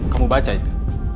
kamu baca itu